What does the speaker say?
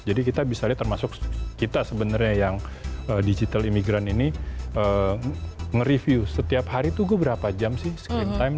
jadi kita bisa lihat termasuk kita sebenarnya yang digital imigran ini nge review setiap hari tuh gue berapa jam sih screen time